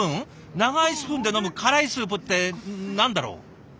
長いスプーンで飲む辛いスープって何だろう。